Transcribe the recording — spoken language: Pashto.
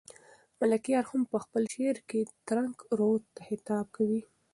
ملکیار هم په خپل شعر کې ترنک رود ته خطاب کوي.